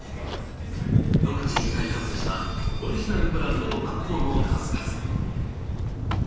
独自に開発したオリジナルブランドの納豆の数々。